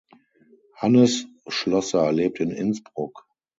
Hannes Schlosser lebt in Innsbruck.